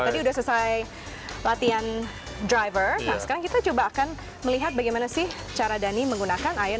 tadi sudah selesai latihan driver sekarang kita coba akan melihat bagaimana sih cara dani menggunakan iron delapan